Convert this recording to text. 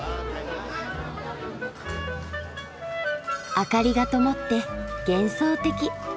明かりが灯って幻想的。